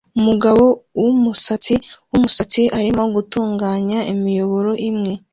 Umugabo wumusatsi wumusatsi arimo gutunganya imiyoboro imwe